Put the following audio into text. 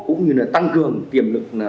cũng như là tăng cường tiềm lực